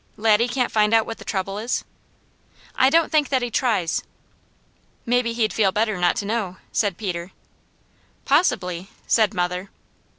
"Laddie can't find out what the trouble is?" "I don't think that he tries." "Maybe he'd feel better not to know," said Peter. "Possibly!" said mother.